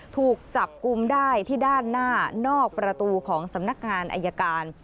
ถูกจับกลุ่มได้ที่ด้านหน้านอกประตูของสำนักงานอายการ